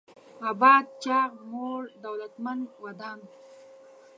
اباد: چاغ، موړ، دولتمن، ودان